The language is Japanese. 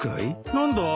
何だい？